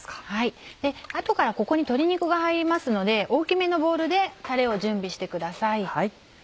後からここに鶏肉が入りますので大きめのボウルでタレを準備してください。